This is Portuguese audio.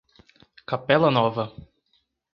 Capela Nova